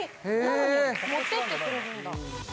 持っていってくれるんだ。